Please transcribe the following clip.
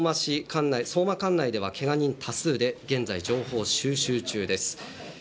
相馬市管内では、けが人多数で現在情報収集中です。